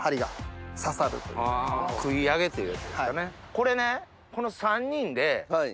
これね。